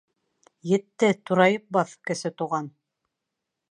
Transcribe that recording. — Етте, турайып баҫ, Кесе Туған!